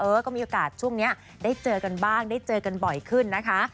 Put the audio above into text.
ก็มีโอกาสช่วงนี้ได้เจอกันบ้างได้เจอกันบ่อยขึ้นนะคะ